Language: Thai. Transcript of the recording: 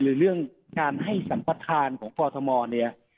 คือเรื่องการให้สัมบัติการของกอทมนี้